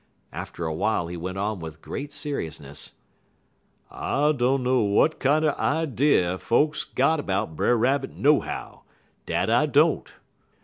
After a while he went on with great seriousness: "I dunner w'at kinder idee folks got 'bout Brer Rabbit nohow, dat I don't.